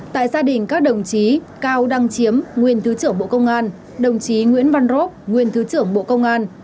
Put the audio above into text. tại gia đình các đồng chí cao đăng chiếm nguyên thứ trưởng bộ công an đồng chí nguyễn văn rop nguyên thứ trưởng bộ công an